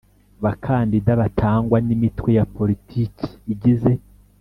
bakandida batangwa n’imitwe ya politiki igize